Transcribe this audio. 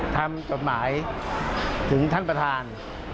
ทำกฎหมายถึงท่านประธาน